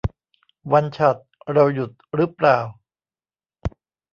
วันฉัตรเราหยุดรึเปล่า